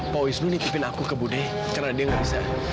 pak wisnu nitipin aku ke budi karena dia nggak bisa